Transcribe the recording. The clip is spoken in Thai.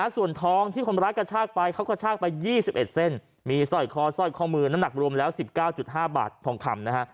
ส่วนทองที่คนร้ายกระชากไปเขากระชากไป๒๑เส้นมีสร้อยคอสร้อยข้อมือน้ำหนักรวมแล้ว๑๙๕บาททองคำนะฮะ